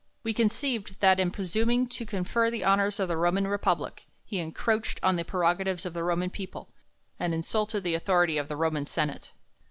We conceived, that, in presuming to confer the honors of the Roman Republic, he encroached on the prerogatives of the Roman people, and insulted the authority of the Roman senate.